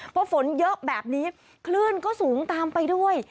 พอฝนเยอะแบบนี้คลื่นก็สูงตามไปด้วย